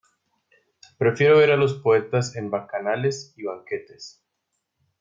Prefiero ver a los poetas en bacanales y banquetes.